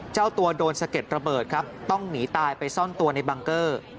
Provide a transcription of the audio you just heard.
เจ้าตัวโดนสะเก็ดระเบิดครับต้องหนีตายไปซ่อนตัวในบังเกอร์